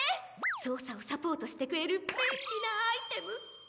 そうさをサポートしてくれるべんりなアイテム。